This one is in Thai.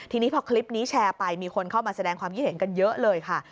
ทีนี้พอคลิปนี้แชร์ไปมีคนเข้ามาแสดงความคิดเห็นกันเยอะเลยค่ะ